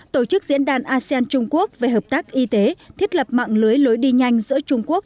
tổ chức diễn đàn asean trung quốc về hợp tác y tế thiết lập mạng lưới lối đi nhanh giữa trung quốc